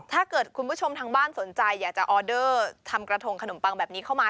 ถ้าเกิดคุณผู้ชมทางบ้านสนใจอยากจะออเดอร์ทำกระทงขนมปังแบบนี้เข้ามา